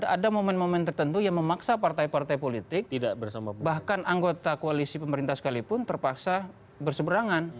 ada momen momen tertentu yang memaksa partai partai politik bahkan anggota koalisi pemerintah sekalipun terpaksa berseberangan